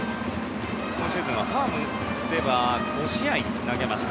今シーズンはファームでは５試合投げました。